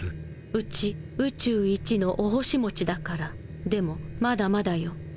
うちウチュウイチのお星持ちだからでもまだまだよ。